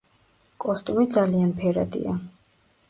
კოსტუმი ძალიან ფერადია.